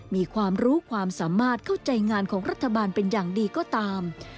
มีความรู้ความสามารถเข้าใจงานของรัฐบาลเป็นอย่างดีก็ตาม